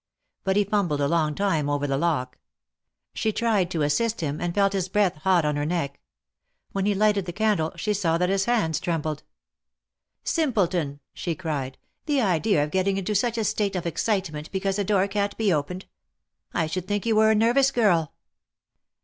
But he fumbled a long time over the lock. She tried to assist him, and felt his breath hot on her neck. When he lighted the candle, she saw that his hands trembled. Simpleton !" she cried ; the idea of getting into such a state of excitement because a door can't be opened. I should think you were a nervous girl."